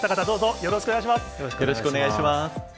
よろしくお願いします。